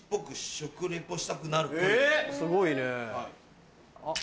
すごいね。